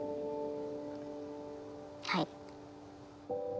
はい。